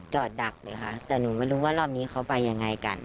ดักเลยค่ะแต่หนูไม่รู้ว่ารอบนี้เขาไปยังไงกัน